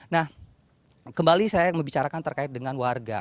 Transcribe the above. nah kembali saya membicarakan terkait dengan warga